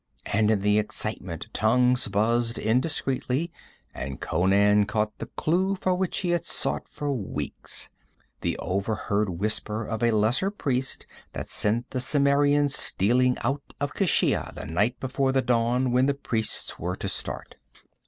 And in the excitement tongues buzzed indiscreetly, and Conan caught the clue for which he had sought for weeks the overheard whisper of a lesser priest that sent the Cimmerian stealing out of Keshia the night before the dawn when the priests were to start.